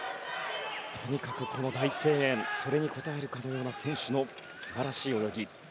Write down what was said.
とにかくこの大声援それに応えるかのような選手の素晴らしい泳ぎ。